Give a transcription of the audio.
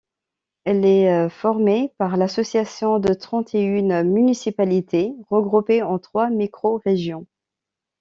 Elle est formée par l'association de trente et une municipalités regroupées en trois microrégions.